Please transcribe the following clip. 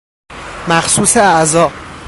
مخصوص اعضاء